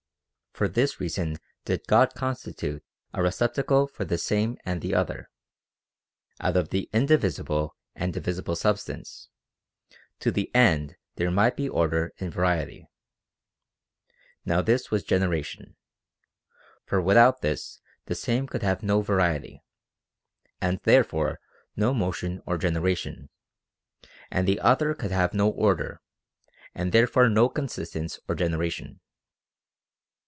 For this reason did God constitute a receptacle for the Same and the Other, out of the indivisible and divisible substance, to the end there might be order in variety. Now this was generation. For without this the Same could have no variety, and therefore no motion or generation ; and the Other could have no order, and therefore no con OF THE PROCREATION OF THE SOUL. 357 sistencf1 or generation.